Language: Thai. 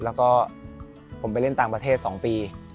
แล้วก็ผมไปเล่นต่างประเทศ๒ปี